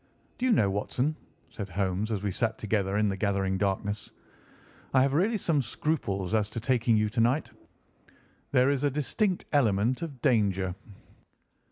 "Do you know, Watson," said Holmes as we sat together in the gathering darkness, "I have really some scruples as to taking you to night. There is a distinct element of danger."